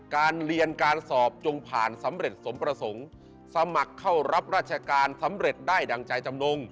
การเรียนการสอบจงผ่านสำเร็จสมประสงค์สมัครเข้ารับราชการสำเร็จได้ดั่งใจจำนง